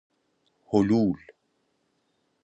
حلول